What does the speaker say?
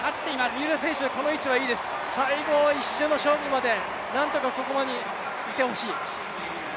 三浦選手、この位置はいいです最後の１周の勝負まで、なんとかここまでいてほしい。